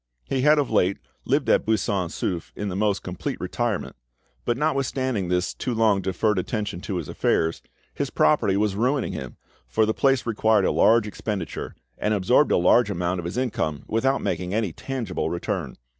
He had of late lived at Buisson Souef in the most complete retirement; but notwithstanding this too long deferred attention to his affairs, his property was ruining him, for the place required a large expenditure, and absorbed a large amount of his income without making any tangible return.